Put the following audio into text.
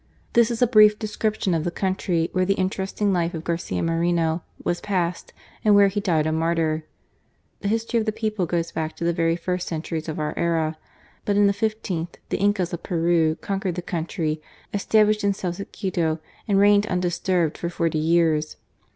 This is a brief description of the country where the interesting life of Garcia Moreno was passed, and where he died a martyr. The history of the people goes back to the very first centuries of our era. But in the fifteenth, the Incas of Peru conquered the country, established themselves at Quito, and reigned undisturbed for forty years.